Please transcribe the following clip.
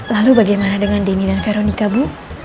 lalu bagaimana dengan denny dan veronica bu